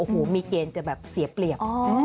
โอ้โหมีเกณฑ์จะแบบเสียเปรียบ